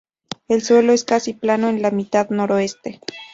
El suelo es casi plano en la mitad noroeste.